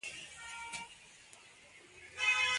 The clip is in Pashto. سپی مې خپل خواړه خوري.